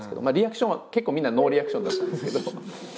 まあリアクションは結構みんなノーリアクションだったんですけど。